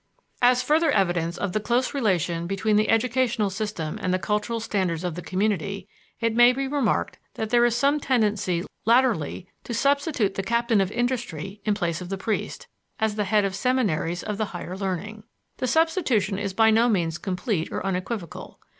As further evidence of the close relation between the educational system and the cultural standards of the community, it may be remarked that there is some tendency latterly to substitute the captain of industry in place of the priest, as the head of seminaries of the higher learning. The substitution is by no means complete or unequivocal.